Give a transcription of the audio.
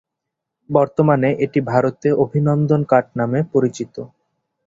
বর্তমানে এটি ভারতে "অভিনন্দন কাট" নামে পরিচিত।